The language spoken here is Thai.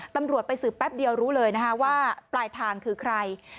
ตำรวจไปสืบแป๊บเดียวรู้เลยนะคะว่าปลายทางคือใคร